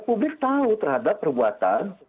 publik tahu terhadap perbuatan